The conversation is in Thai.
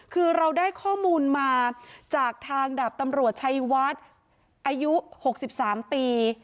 คือเราได้ข้อมูลมาจากทางดาบตำรวจชัยวัดอายุ๖๓ปี